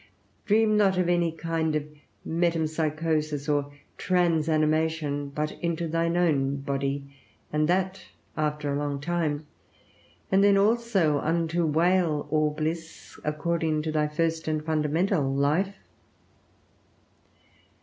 Dream not of any kind of metempsychosis or transanimation, but into thine own body, and that after a long time; and then also unto wail or bliss, according to thy first and fundamental life.